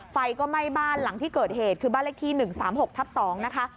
ไฟก็ไหม้บ้านหลังที่เกิดเหตุคือบ้านเลขที่๑๓๖ทับ๒นะคะ